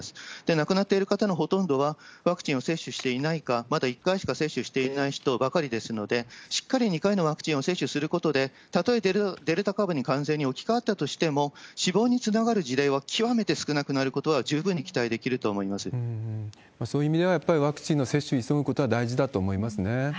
亡くなっている方のほとんどはワクチンを接種していないか、まだ１回しか接種していない人ばかりですので、しっかり２回のワクチンを接種することで、たとえデルタ株に完全に置き換わったとしても、死亡につながる事例は極めて少なくなることは十分に期待できるとそういう意味では、やっぱりワクチンの接種急ぐことが大事だと思いますね。